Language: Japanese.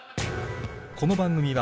この番組は